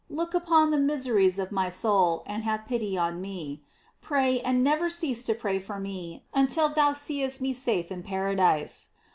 Look upon the miseries of my soul, and have pity on me. Pray, and never tease to pray for me until thou seest me safe in paradise.